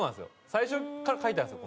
最初から描いたんですよ。